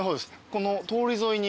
この通り沿いに。